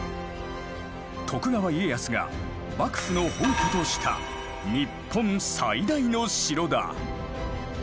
徳川家康が幕府の本拠とした日本最大の城だ。